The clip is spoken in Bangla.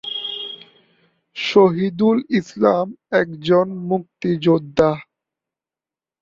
শহিদুল ইসলাম একজন মুক্তিযোদ্ধা।